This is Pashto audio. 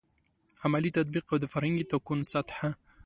عملي تطبیق او د فرهنګي تکون سطحه.